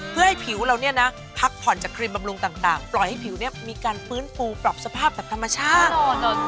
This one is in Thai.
เพื่อให้ผิวเราเนี่ยนะพักผ่อนจากครีมบำรุงต่างปล่อยให้ผิวเนี่ยมีการฟื้นฟูปรับสภาพแบบธรรมชาติ